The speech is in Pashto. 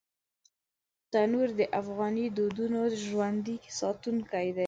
تنور د افغاني دودونو ژوندي ساتونکی دی